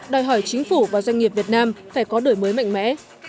đòi hỏi chính phủ và doanh nghiệp việt nam phải có đổi mới mạnh mẽ